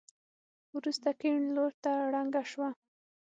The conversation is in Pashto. وروسته کيڼ لورته ړنګه شوه.